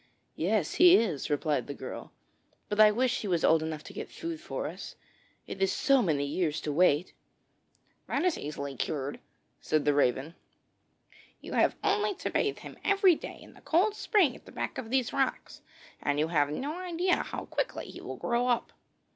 'Yes, he is,' replied the girl; 'but I wish he was old enough to get food for us. It is so many years to wait.' 'That is easily cured,' said the Raven. 'You have only to bathe him every day in the cold spring at the back of these rocks, and you have no idea how quickly he will grow up.'